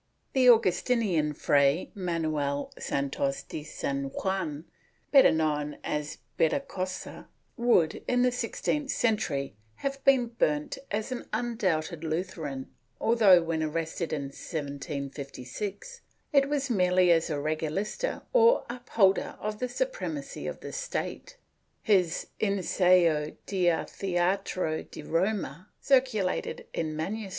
^ The Augustinian Fray Manuel Santos de San Juan, better known as Berrocosa, would, in the sixteenth century, have been burnt as an undoubted Lutheran, although when arrested, in 1756, it was merely as a regalista or upholder of the supremacy of the State. His Ensayo de el Theatro de Roma, circulated in MS.